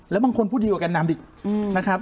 แล้วบางคนพูดดีกว่าแก่นำอีกนะครับ